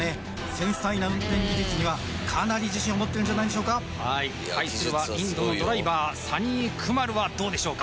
繊細な運転技術にはかなり自信を持ってるんじゃないでしょうかはい対するはインドのドライバーサニー・クマルはどうでしょうか？